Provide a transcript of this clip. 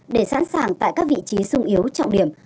để sẵn sàng tại các vị trí sung yếu trọng điểm